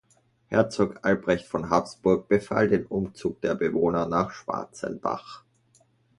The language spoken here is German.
Herzog Albrecht von Habsburg befahl den Umzug der Bewohner nach Schwarzenbach.